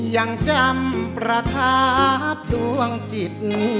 ยังจำประทับดวงจิต